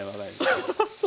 アハハハ。